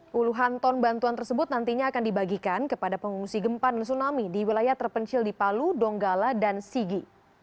puluhan ton bantuan tersebut nantinya akan dibagikan kepada pengungsi gempa dan tsunami di wilayah terpencil di palu donggala dan sigi